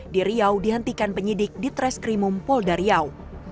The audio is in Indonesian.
di riau dihentikan penyidik di tres krimum polda riau